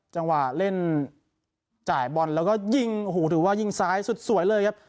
จังหวะเล่นจ่ายบอลแล้วก็ยิงโอ้โหถือว่ายิงซ้ายสุดสวยเลยครับ